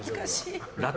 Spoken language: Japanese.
ラテ